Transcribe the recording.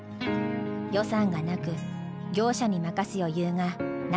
予算がなく業者に任す余裕がなかったからだ。